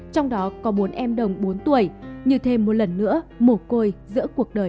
trong đó có bốn em đồng bốn tuổi như thêm một lần nữa mổ côi giữa cuộc đời